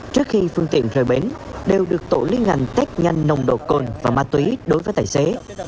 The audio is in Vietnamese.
trước khi phương tiện rời bến đều được tổ liên ngành test nhanh nồng độ cồn và ma túy đối với tài xế